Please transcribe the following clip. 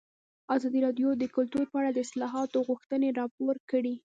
ازادي راډیو د کلتور په اړه د اصلاحاتو غوښتنې راپور کړې.